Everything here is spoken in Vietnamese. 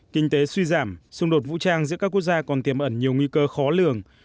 kinh tế suy giảm xung đột vũ trang giữa các quốc gia còn tiềm ẩn nhiều nguy cơ khó lường